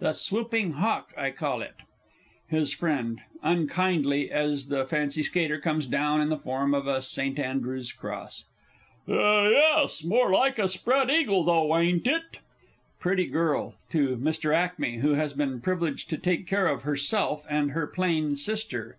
"The Swooping Hawk" I call it. HIS FRIEND (unkindly as the F. S. comes down in the form of a St. Andrew's Cross). Y yes. More like a Spread Eagle though, ain't it? PRETTY GIRL (to Mr. ACKMEY, who has been privileged to take charge of herself and her PLAIN SISTER).